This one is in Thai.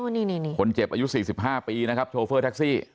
อ๋อนี่นี่นี่คนเจ็บอายุสิบห้าปีนะครับโชเฟอร์ทักซี่